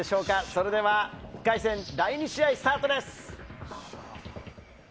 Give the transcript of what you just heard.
それでは１回戦第２試合、スタートです！